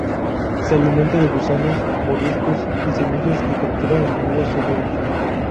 Se alimenta de gusanos, moluscos y semillas, que captura en aguas someras.